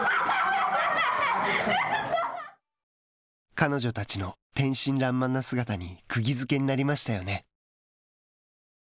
彼女たちの天真らんまんな姿にくぎづけになりましたよね。